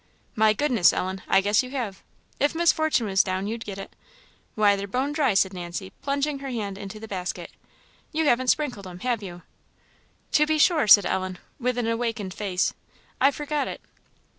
"My goodness, Ellen! I guess you have. If Miss Fortune was down, you'd get it. Why, they're bone dry!" said Nancy, plunging her hand into the basket: "you haven't sprinkled 'em, have you?" "To be sure," said Ellen, with an awakened face, "I forgot it!"